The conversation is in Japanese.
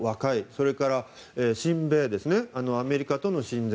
それから、親米アメリカとの親善。